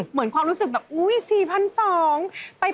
เหมือนความรู้สึกแบบอุ้ย๔๒๐๐บาท